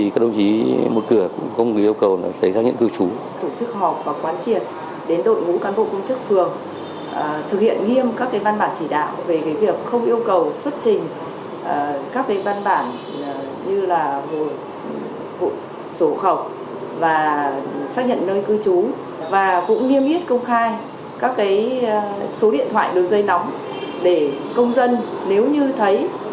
và cũng nghiêm ít công khai các số điện thoại đối dây nóng để công dân nếu như thấy mà cán bộ công chức yêu cầu xuất trình các giấy tờ đó thì sẽ phản ánh kịp thời đến chủ tịch quỹ ban phường quận và thành phố